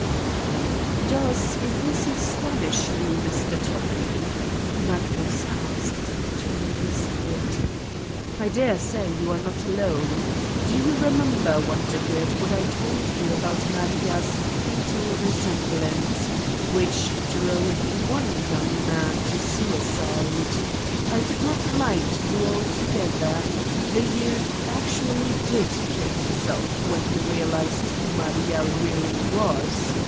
"Does this astonish you, Mr. Toppi?" Mag nus asked, turning his head. "I dare say you are 240 Satan's Diary not alone. Do you remember, Wondergood, what I told you about Maria's fatal resemblance, which drove one young man to suicide. I did not lie to you altogether : the youth actually did kill himself when he realized who Maria really was.